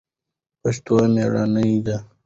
پښتو مېړانه ده